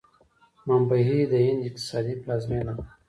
ممبۍ د هند اقتصادي پلازمینه ده.